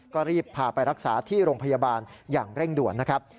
ก็รีบพาไปรักษาที่โรงพยาบาลอย่างเร่งด่วนนะครับ